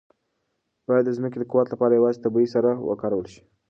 باید د ځمکې د قوت لپاره یوازې طبیعي سره وکارول شي.